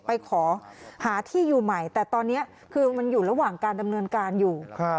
ไปขอหาที่อยู่ใหม่แต่ตอนนี้คือมันอยู่ระหว่างการดำเนินการอยู่